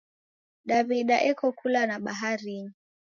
Daw'ida eko kula na baharinyi.